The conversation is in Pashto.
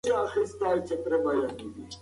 په دې تنهایۍ کې انسان له خپل سیوري سره غږېږي.